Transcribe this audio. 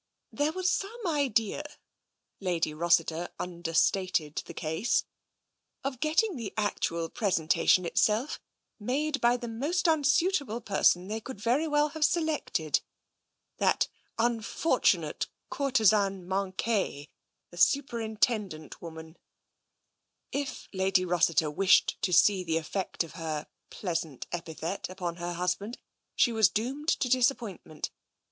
" There was some idea," Lady Rossiter understated the case, " of getting the actual presentation itself made by the most unsuitable person they could very well have selected — that unfortunate courtesan manquee, the superintendent woman." i68 TENSION If Lady Rossiter wished to see the effect of her pleasant epithet upon her husband, she was doomed to disappointment.